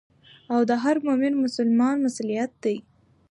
او د هر مؤمن مسلمان مسؤليت دي.